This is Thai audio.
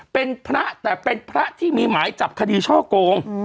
เป็นพระแต่เป็นพระที่มีหมายจับคดีช่อโกง